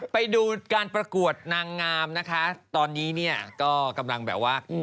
ไปดูการประกวดนางงามนะคะตอนนี้เนี่ยก็กำลังแบบว่า